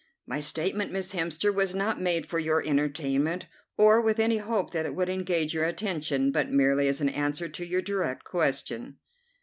"My statement, Miss Hemster, was not made for your entertainment, or with any hope that it would engage your attention, but merely as an answer to your direct question."